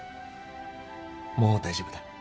もう大丈夫だ。